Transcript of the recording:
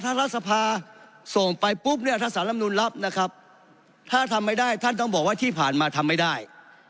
ถ้ารัฐสภาส่งไปปุ๊บเนี่ยถ้าสารลำนูนรับนะครับถ้าทำไม่ได้ท่านต้องบอกว่าที่ผ่านมาทำไม่ได้